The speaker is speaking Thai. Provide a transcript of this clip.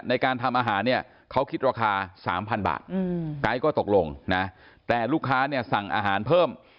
ในการทำอาหารเนี่ยเขาคิดราคา๓๐๐บาทไก๊ก็ตกลงนะแต่ลูกค้าเนี่ยสั่งอาหารเพิ่ม